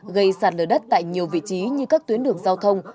gây sạt lở đất tại nhiều vị trí như các tuyến đường giao thông